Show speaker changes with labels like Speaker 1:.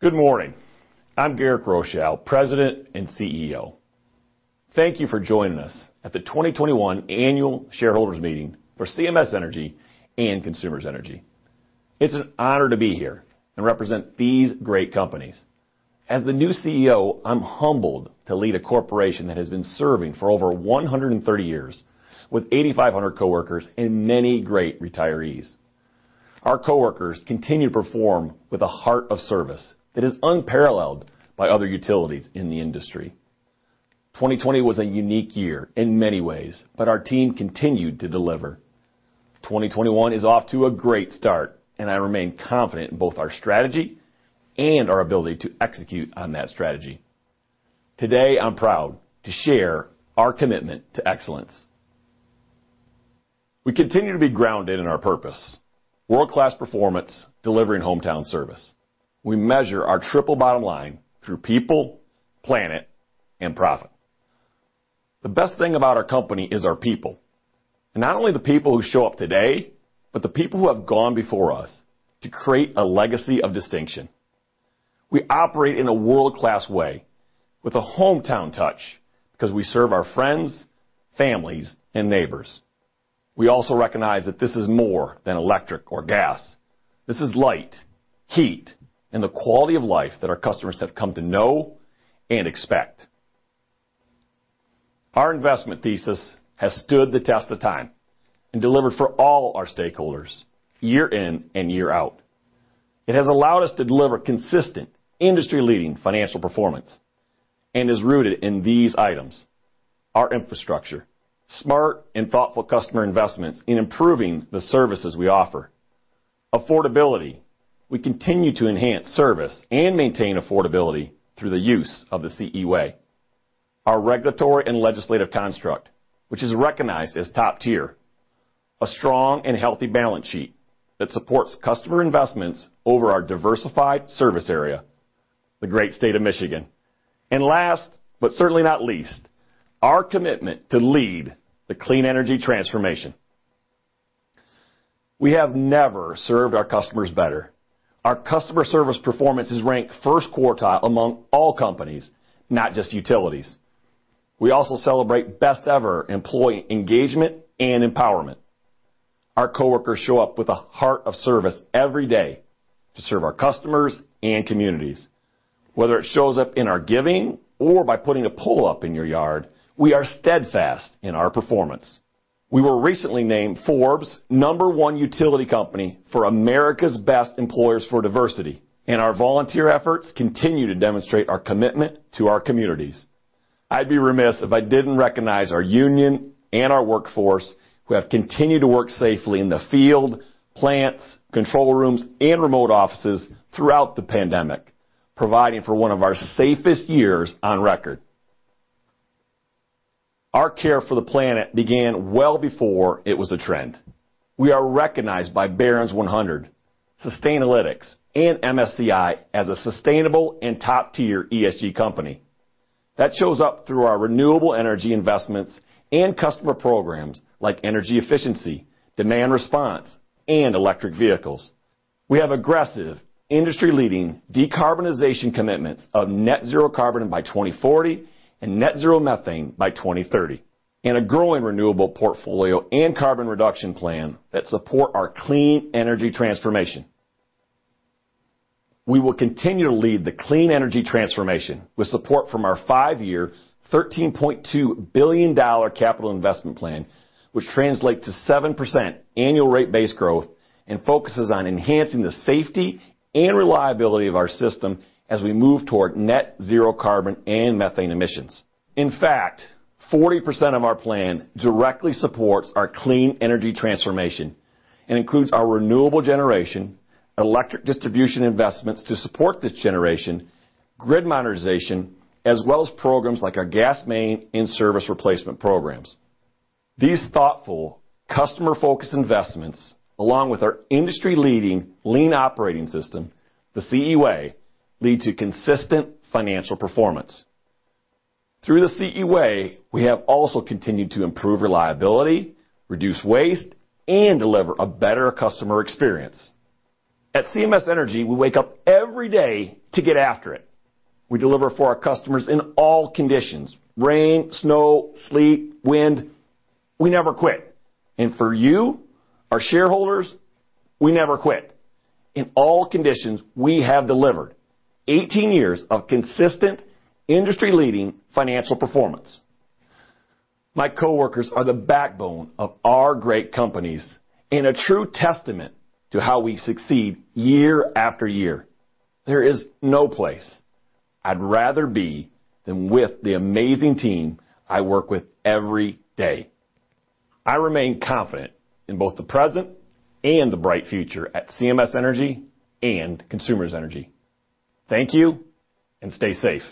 Speaker 1: Good morning. I'm Garrick J. Rochow, President and CEO. Thank you for joining us at the 2021 Annual Shareholders Meeting for CMS Energy and Consumers Energy. It's an honor to be here and represent these great companies. As the new CEO, I'm humbled to lead a corporation that has been serving for over 130 years with 8,500 coworkers and many great retirees. Our coworkers continue to perform with a heart of service that is unparalleled by other utilities in the industry. 2020 was a unique year in many ways, but our team continued to deliver. 2021 is off to a great start, and I remain confident in both our strategy and our ability to execute on that strategy. Today, I'm proud to share our commitment to excellence. We continue to be grounded in our purpose. World-class performance, delivering hometown service. We measure our triple bottom line through people, planet, and profit. The best thing about our company is our people. Not only the people who show up today, but the people who have gone before us to create a legacy of distinction. We operate in a world-class way with a hometown touch because we serve our friends, families, and neighbors. We also recognize that this is more than electric or gas. This is light, heat, and the quality of life that our customers have come to know and expect. Our investment thesis has stood the test of time and delivered for all our stakeholders year in and year out. It has allowed us to deliver consistent, industry-leading financial performance and is rooted in these items. Our infrastructure, smart and thoughtful customer investments in improving the services we offer. Affordability. We continue to enhance service and maintain affordability through the use of the CE Way. Our regulatory and legislative construct, which is recognized as top-tier. A strong and healthy balance sheet that supports customer investments over our diversified service area, the great state of Michigan. Last, but certainly not least, our commitment to lead the clean energy transformation. We have never served our customers better. Our customer service performance is ranked first quartile among all companies, not just utilities. We also celebrate best ever employee engagement and empowerment. Our coworkers show up with a heart of service every day to serve our customers and communities. Whether it shows up in our giving or by putting a pole up in your yard, we are steadfast in our performance. We were recently named Forbes' number one utility company for America's Best Employers for Diversity, and our volunteer efforts continue to demonstrate our commitment to our communities. I'd be remiss if I didn't recognize our union and our workforce who have continued to work safely in the field, plants, control rooms, and remote offices throughout the pandemic, providing for one of our safest years on record. Our care for the planet began well before it was a trend. We are recognized by Barron's 100, Sustainalytics, and MSCI as a sustainable and top-tier ESG company. That shows up through our renewable energy investments and customer programs like energy efficiency, demand response, and electric vehicles. We have aggressive industry-leading decarbonization commitments of net zero carbon by 2040 and net zero methane by 2030, and a growing renewable portfolio and carbon reduction plan that support our clean energy transformation. We will continue to lead the clean energy transformation with support from our five-year, $13.2 billion capital investment plan, which translates to seven percent annual rate base growth and focuses on enhancing the safety and reliability of our system as we move toward net zero carbon and net zero methane emissions. In fact, 40% of our plan directly supports our clean energy transformation and includes our renewable generation, electric distribution investments to support this generation, grid modernization, as well as programs like our gas main and-service replacement programs. These thoughtful, customer-focused investments, along with our industry-leading lean operating system, the CE Way, lead to consistent financial performance. Through the CE Way, we have also continued to improve reliability, reduce waste, and deliver a better customer experience. At CMS Energy, we wake up every day to get after it. We deliver for our customers in all conditions. Rain, snow, sleet, wind. We never quit. For you, our shareholders, we never quit. In all conditions, we have delivered 18 years of consistent industry-leading financial performance. My coworkers are the backbone of our great companies and a true testament to how we succeed year after year. There is no place I'd rather be than with the amazing team I work with every day. I remain confident in both the present and the bright future at CMS Energy and Consumers Energy. Thank you, and stay safe.